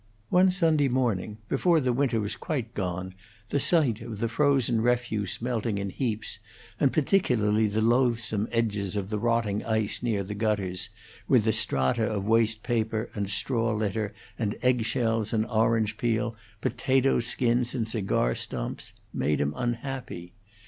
One Sunday morning, before the winter was quite gone, the sight of the frozen refuse melting in heaps, and particularly the loathsome edges of the rotting ice near the gutters, with the strata of waste paper and straw litter, and egg shells and orange peel, potato skins and cigar stumps, made him unhappy.